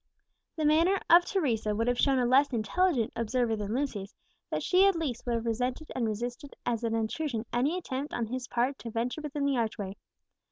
The manner of Teresa would have shown a less intelligent observer than Lucius, that she at least would have resented and resisted as an intrusion any attempt on his part to venture within the archway.